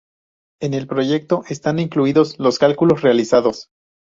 En el proyecto están incluidos los cálculos realizados.